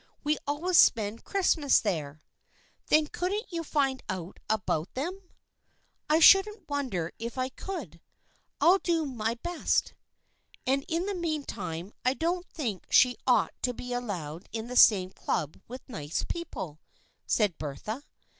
We always spend Christmas there." " Then couldn't you find out about them ?"" I shouldn't wonder if I could. I'll do my best." " And in the meantime I don't think she ought to be allowed in the same club with nice people," said Bertha.